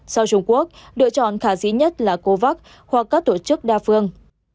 sau trung quốc đội chọn khả dĩ nhất là covax hoặc các tổ chức đa phương